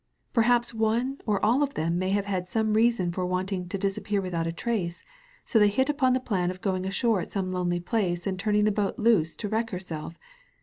Perhaps one or all of them may have had some reason for wanting to 'disappear without a trace,' so they hit upon the plan of going ashore at some lonely place and turning the boat loose to wreck herself.